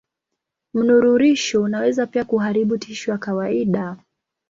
Mnururisho unaweza pia kuharibu tishu ya kawaida.